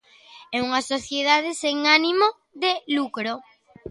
E unha sociedade sen ánimo de lucro.